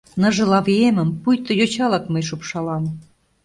Ныжыл авиемым, Пуйто йочалак мый шупшалам.